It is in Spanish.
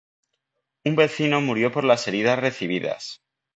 Un vecino murió por las heridas recibidas.